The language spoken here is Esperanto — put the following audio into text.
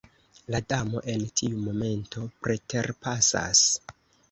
La Damo en tiu momento preterpasas.